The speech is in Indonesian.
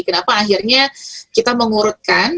kenapa akhirnya kita mengurutkan